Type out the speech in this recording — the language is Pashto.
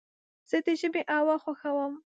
زه د ژمي هوا خوښوم.